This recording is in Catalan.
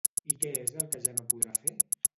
I què és el que ja no podrà fer?